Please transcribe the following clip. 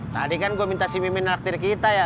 tadi kan gue minta si mimin nalaktir kita ya